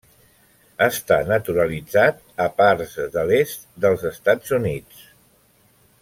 Està naturalitzat a parts de l'est dels Estats Units.